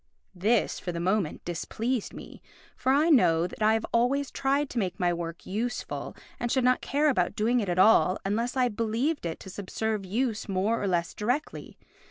This, for the moment, displeased me, for I know that I have always tried to make my work useful and should not care about doing it at all unless I believed it to subserve use more or less directly.